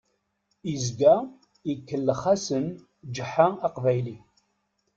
Izga ikellex-asen Ǧeḥḥa Aqbayli.